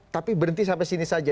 tapi berhenti sampai sini saja